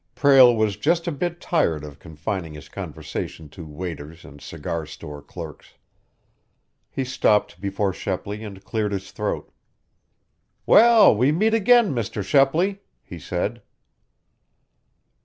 Prale was just a bit tired of confining his conversation to waiters and cigar store clerks. He stopped before Shepley and cleared his throat. "Well, we meet again, Mr. Shepley!" he said.